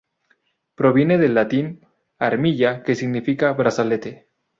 Proviene del latín "armilla", que significa brazalete.